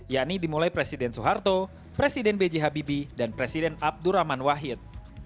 yakni dimulai presiden soeharto presiden bghbb dan presiden abdurrahman wahid